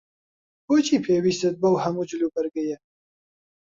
بۆچی پێویستت بەو هەموو جلوبەرگەیە؟